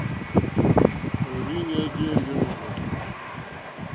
Òrzìɲɛ́ jé ěmbé mɔ́rzɔ̀kɔ̀.